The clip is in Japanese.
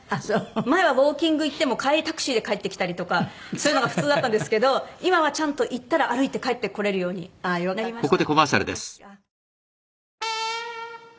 前はウォーキング行っても帰りタクシーで帰ってきたりとかそういうのが普通だったんですけど今はちゃんと行ったら歩いて帰ってこれるようになりました。